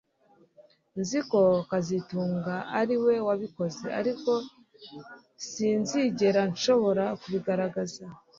Nzi ko kazitunga ariwe wabikoze ariko sinzigera nshobora kubigaragaza